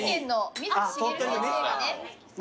水木しげる先生がね。